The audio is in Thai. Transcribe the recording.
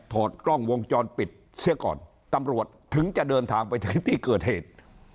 ถอดกล้องวงจรปิดเสียก่อนตำรวจถึงจะเดินทางไปถึงที่เกิดเหตุ